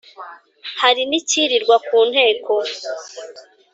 hari n’icyirirwa ku nteko,